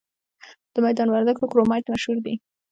د میدان وردګو کرومایټ مشهور دی؟